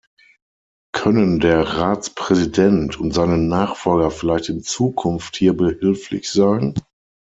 Können der Ratspräsident und seine Nachfolger vielleicht in Zukunft hier behilflich sein?